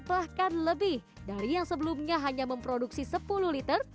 bahkan lebih dari yang sebelumnya hanya memproduksi sepuluh liter